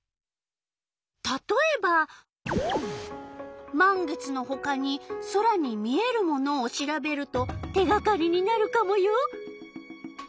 たとえば満月のほかに空に見えるものを調べると手がかりになるカモよ。